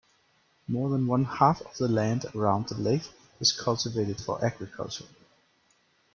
More than one half of the land around the lake is cultivated for agriculture.